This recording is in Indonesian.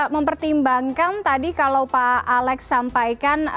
mempertimbangkan tadi kalau pak alex sampaikan